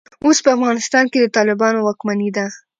اوس په افغانستان کې د طالبانو واکمني ده.